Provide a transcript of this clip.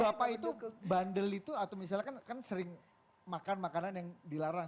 bapak itu bandel itu atau misalnya kan sering makan makanan yang dilarang